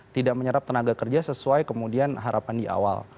tidak menyerap tenaga kerja sesuai kemudian harapan diawal